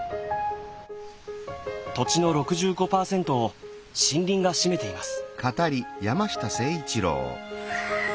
土地の６５％を森林が占めています。